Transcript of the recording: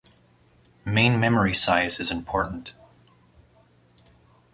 Main memory size is important.